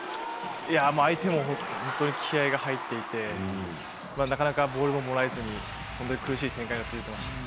いやぁ、相手も本当に気合いが入っていて、なかなかボールがもらえずに、本当に苦しい展開が続いていました。